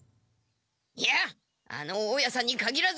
いやあの大家さんにかぎらず。